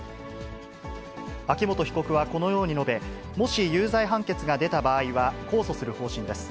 秋元被告は、このように述べ、もし有罪判決が出た場合は控訴する方針です。